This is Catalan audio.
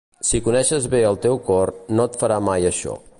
Si coneixes bé el teu cor, no et farà mai això.